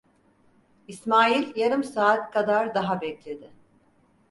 İsmail yarım saat kadar daha bekledi.